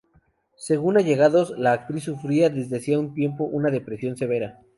Según allegados la actriz sufría desde hacía un tiempo una depresión severa.